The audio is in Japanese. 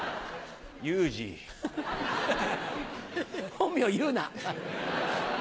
本名言うな！